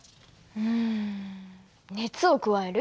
うん熱を加える？